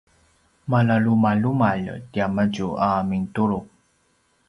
malalumalumalj tiamadju a mintulu’